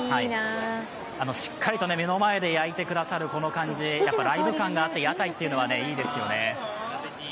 しっかりと目の前で焼いてくださるこの感じライブ感があって、屋台というのはいいですよね。